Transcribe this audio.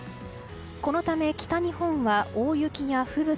このため北日本は大雪や吹雪